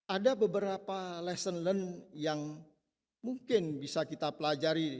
ada beberapa lesson learned yang mungkin bisa kita pelajari